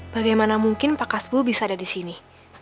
bagaimana mungkin pak kasbu bisa ada disini